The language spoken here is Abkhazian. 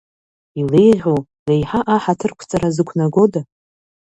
Илеиӷьу, леиҳа аҳаҭырқәҵара зықәнагода?!